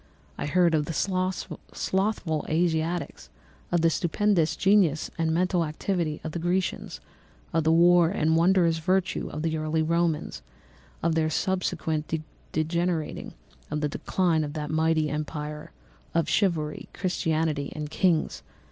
I heard of the slothful Asiatics, of the stupendous genius and mental activity of the Grecians, of the wars and wonderful virtue of the early Romans—of their subsequent degenerating—of the decline of that mighty empire, of chivalry, Christianity, and kings.